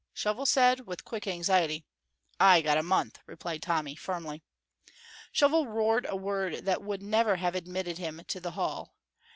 Shovel said, with quick anxiety. "I got a month," replied Tommy, firmly. Shovel roared a word that would never have admitted him to the hall.